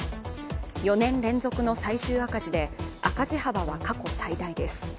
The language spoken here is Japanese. ４年連続の最終赤字で、赤字幅は過去最大です。